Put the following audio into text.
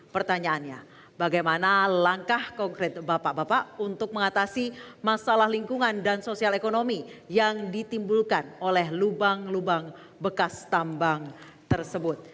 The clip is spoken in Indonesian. pertanyaannya bagaimana langkah konkret bapak bapak untuk mengatasi masalah lingkungan dan sosial ekonomi yang ditimbulkan oleh lubang lubang bekas tambang tersebut